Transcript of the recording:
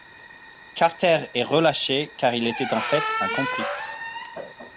Carter est relâché, car il était en fait un complice.